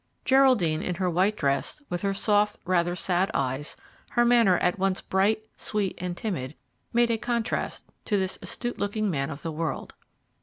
Geraldine, in her white dress, with her soft, rather sad, eyes, her manner at once bright, sweet, and timid, made a contrast to this astute looking man of the world.